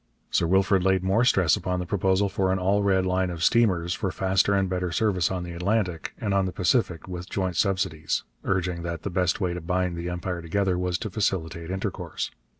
Sir Wilfrid laid more stress upon the proposal for an All Red line of steamers for faster and better service on the Atlantic and on the Pacific, with joint subsidies, urging that the best way to bind the Empire together was to facilitate intercourse.